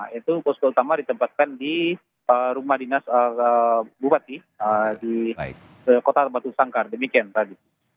yaitu posko utama ditempatkan di rumah dinas bupati di kota batu sangkar demikian tadi